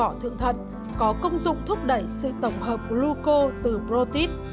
vỏ thượng thật có công dụng thúc đẩy sự tổng hợp gluco từ protein